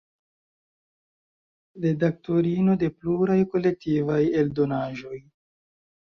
Redaktorino de pluraj kolektivaj eldonaĵoj.